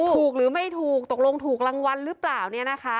ถูกหรือไม่ถูกตกลงถูกรางวัลหรือเปล่าเนี่ยนะคะ